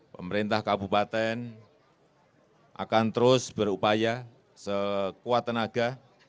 pemerintah kabupaten akan terus berupaya sekuat tenaga